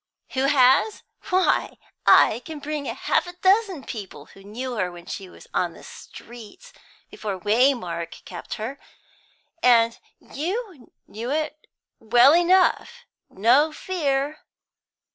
"Who has? Why I can bring half a dozen people who knew her when she was on the streets, before Waymark kept her. And you knew it, well enough no fear!"